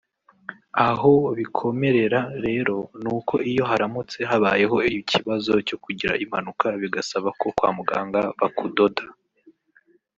aho bikomerera rero nuko iyo haramutse habayeho ikibazo cyo kugira impanuka bigasaba ko kwa muganga bakudoda